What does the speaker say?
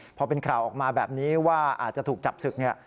พอเป็นข่าวออกมาแบบนี้ว่าอาจจะถูกจับศึกเนี่ย